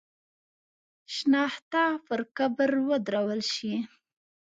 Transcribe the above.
شنخته پر قبر ودرول شي.